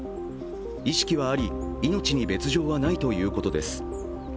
意識はあり、命に別状はないということです。